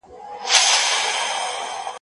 کوټ کوټ دلته کوي، هگۍ بل ځاى اچوي.